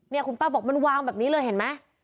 เนี่ยคุณป้าบอกมันวางแบบนี้เลยเห็นไหม